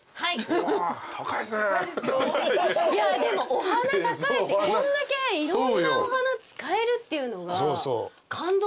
でもお花高いしこんだけいろんなお花使えるっていうのが感動ですよ。